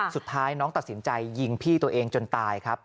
สุดท้ายน้องตัดสินใจยิงพี่ตัวเองจนตายครับ